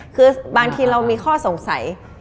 คือบางทีเรามีข้อสงสัย